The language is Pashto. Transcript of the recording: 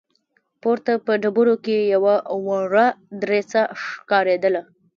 پورته په ډبرو کې يوه وړه دريڅه ښکارېدله.